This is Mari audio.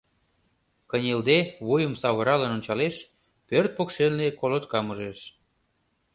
Кынелде, вуйым савыралын ончалеш, пӧрт покшелне колоткам ужеш.